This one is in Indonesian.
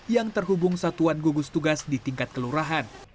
yang terhubung satuan gugus tugas di tingkat kelurahan